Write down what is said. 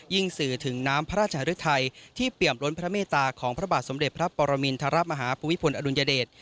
สื่อถึงน้ำพระราชฤทัยที่เปี่ยมล้นพระเมตตาของพระบาทสมเด็จพระปรมินทรมาฮาภูมิพลอดุลยเดช